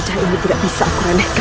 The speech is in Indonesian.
saya yang memainkan rerep arepa